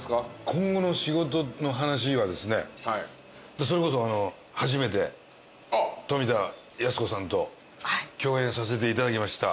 今後の仕事の話はですねそれこそ初めて富田靖子さんと共演させていただきました。